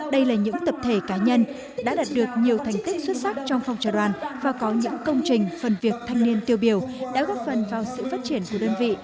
đây là những tập thể cá nhân đã đạt được nhiều thành tích xuất sắc trong phong trào đoàn và có những công trình phần việc thanh niên tiêu biểu đã góp phần vào sự phát triển của đơn vị